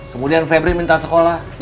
kemudian febri minta sekolah